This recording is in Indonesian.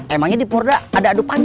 emangnya di porda ada adupan